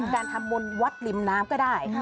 การทำบุญวัดริมน้ำก็ได้